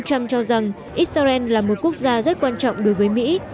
đề cập đến quan hệ với israel ông trump cho rằng israel là một quốc gia rất quan trọng đối với mỹ